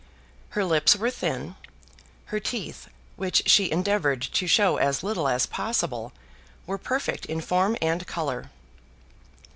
Her lips were thin. Her teeth, which she endeavoured to show as little as possible, were perfect in form and colour.